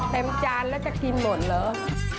จานแล้วจะกินหมดเหรอ